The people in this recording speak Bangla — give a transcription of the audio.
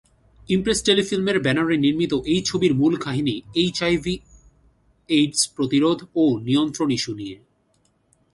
ইমপ্রেস টেলিফিল্ম-এর ব্যানারে নির্মিত এই ছবির মূল কাহিনী এইচআইভি/এইডস প্রতিরোধ ও নিয়ন্ত্রণ ইস্যু নিয়ে।